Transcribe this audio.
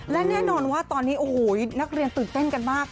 และแน่นอนว่าตอนนี้โอ้โหนักเรียนตื่นเต้นกันมาก